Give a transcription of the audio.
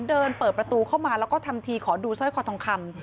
เดินเปิดประตูเข้ามาแล้วก็ทำทีขอดูสร้อยคอทองคำ